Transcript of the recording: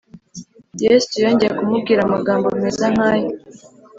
Yesu yongeye kumubwira amagambo ameze nk’ayo